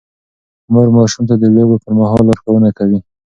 مور ماشوم ته د لوبو پر مهال لارښوونه کوي.